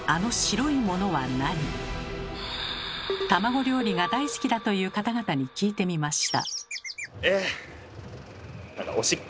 卵料理が大好きだという方々に聞いてみました。